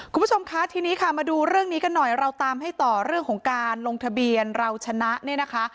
คุณผู้ชมคะทีนี้ค่ะมาดูเรื่องนี้กันหน่อยเราตามให้ต่อเรื่องของการลงทะเบียนเราชนะเนี่ยนะคะ